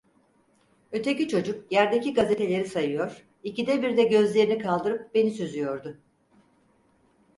Öteki çocuk yerdeki gazeteleri sayıyor; ikide birde gözlerini kaldırıp beni süzüyordu.